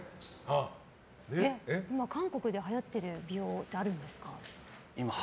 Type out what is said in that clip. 今、韓国ではやってる美容ってあるんですか？